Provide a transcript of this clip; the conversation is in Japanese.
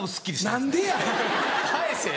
何でや！